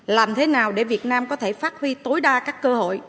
làm thế nào để việt nam có thể phát huy tối đa các cơ hội